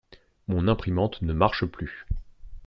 Mon imprimante ne marche plus.